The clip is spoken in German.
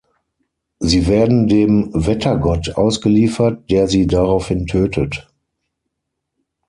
Sie werden dem Wettergott ausgeliefert, der sie daraufhin tötet.